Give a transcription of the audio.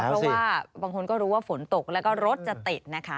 เพราะว่าบางคนก็รู้ว่าฝนตกแล้วก็รถจะติดนะคะ